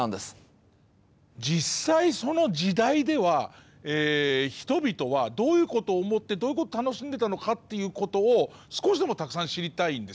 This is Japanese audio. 実際その時代では人々はどういうことを思ってどういうことを楽しんでたのかっていうことを少しでもたくさん知りたいんですね。